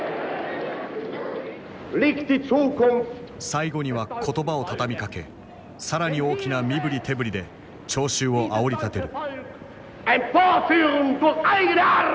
最後には言葉を畳みかけ更に大きな身振り手振りで聴衆をあおりたてる。